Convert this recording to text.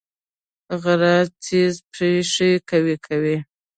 غره خیژي پښې قوي کوي